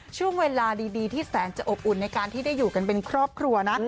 ช่วงเวลาดีที่แสนจะอบอุ่นในการที่ได้อยู่กันเป็นครอบครัวนะ